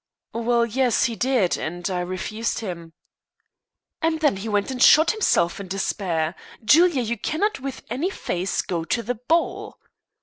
"Well yes, he did, and I refused him." "And then he went and shot himself in despair. Julia, you cannot with any face go to the ball."